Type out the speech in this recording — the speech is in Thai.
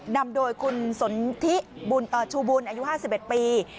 นำโดยคุณสนทิบุญชูบุญอายุ๕๑ปี